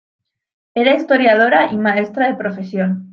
Era historiadora y maestra de profesión.